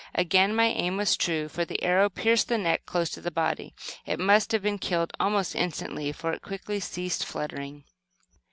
Again my aim was true, for the arrow pierced the neck close to the body. It must have been killed almost instantly, for it quickly ceased fluttering.